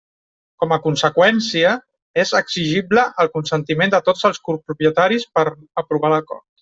Com a conseqüència, és exigible el consentiment de tots els copropietaris per aprovar l'acord.